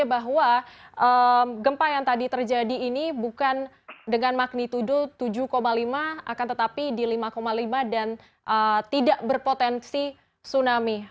bahwa gempa yang tadi terjadi ini bukan dengan magnitudo tujuh lima akan tetapi di lima lima dan tidak berpotensi tsunami